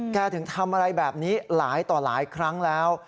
ถึงทำอะไรแบบนี้หลายต่อหลายครั้งแล้ว